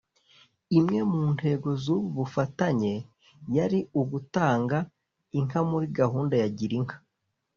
imwe mu ntego z’ubu bufatanye yari ugutanga inka muri gahunda ya girinka